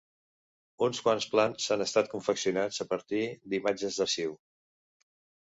Uns quants plans han estat confeccionats a partir d'imatges d'arxiu.